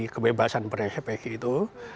dan juga penjelasan per spsk itu